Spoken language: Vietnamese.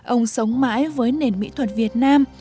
ông sống mãi với nền mỹ thuật việt nam